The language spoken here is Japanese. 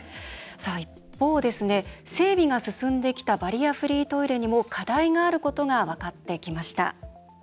一方、整備が進んできたバリアフリートイレにも課題があることが分かってきました。